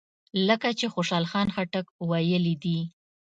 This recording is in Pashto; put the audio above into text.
لکه چې خوشحال خټک ویلي دي.